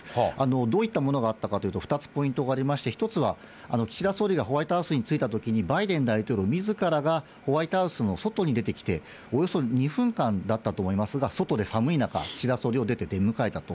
どういったものがあったというと、２つポイントがありまして、一つは、岸田総理がホワイトハウスに着いたときに、バイデン大統領みずからがホワイトハウスの外に出てきておよそ２分間だったと思いますが、外で寒い中、岸田総理を出て出迎えたと。